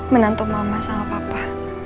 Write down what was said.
menantu mama sama papa